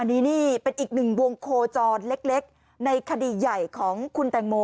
นี่นี่เป็นอีกหนึ่งวงโคจรเล็กในคดีใหญ่ของคุณแตงโม